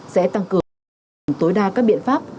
sẽ tăng cường tối đa các biện pháp